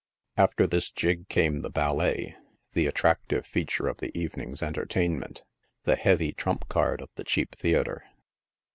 After this jig came the ballet, the attractive feature of the even ing's entertainment — the heavy trump card of the cheap thsatrc.